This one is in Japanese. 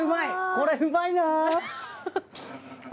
これうまいな。